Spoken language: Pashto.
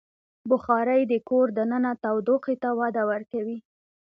بخاري د کور دننه تودوخې ته وده ورکوي.